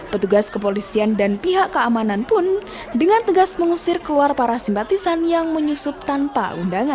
petugas kepolisian dan pihak keamanan pun dengan tegas mengusir keluar para simpatisan yang menyusup tanpa undangan